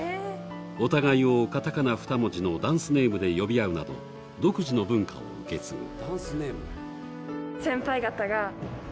お互いを、カタカナ２文字のダンスネームで呼び合うなど独自の文化を受け継ぐ。